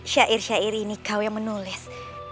syair syair ini kau yang menulis